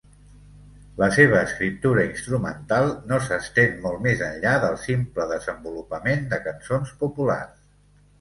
La seva escriptura instrumental no s'estén molt més enllà del simple desenvolupament de cançons populars.